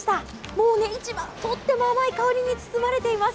もう市場はとっても甘い香りに包まれています。